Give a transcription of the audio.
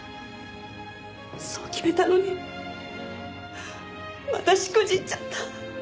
そう決めたのにまたしくじっちゃった。